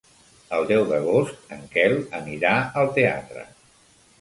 El deu d'agost en Quel anirà al teatre.